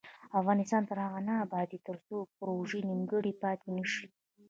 افغانستان تر هغو نه ابادیږي، ترڅو پروژې نیمګړې پاتې نشي.